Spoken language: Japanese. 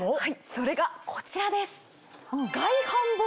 それがこちらです。